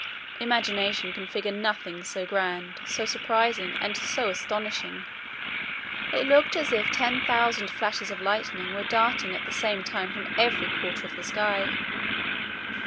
Imagination can figure nothing so grand, so surprising, and so astonishing! It looked as if ten thousand flashes of lightning were darting at the same time from every quarter of the sky.